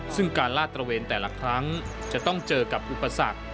ซึ่งการลาดตระเวนแต่ละครั้งจะต้องเจอกับอุปสรรค